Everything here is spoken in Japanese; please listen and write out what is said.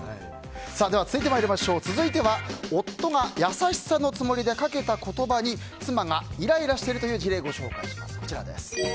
続いては、夫が優しさのつもりでかけた言葉に妻がイライラしているという事例をご紹介します。